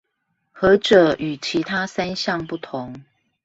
何者與其他三項不同？